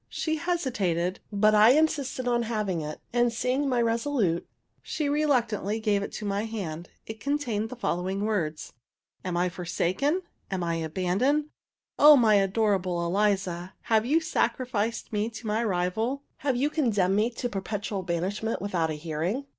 She hesitated, but I insisted on having it; and seeing me resolute, she reluctantly gave it into my hand. It contained the following words: "Am I forsaken? am I abandoned? O my adorable Eliza, have you sacrificed me to my rival? have you condemned me to perpetual banishment without a hearing?